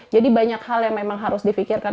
jadi banyak hal yang memang harus difikirkan